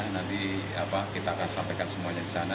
nanti kita akan sampaikan semuanya di sana